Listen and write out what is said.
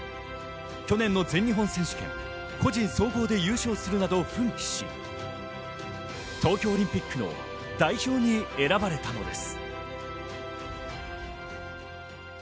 去年の全日本選手権、個人総合で優勝するなど奮起し、東京オリンピックの代表に選ばれたのです。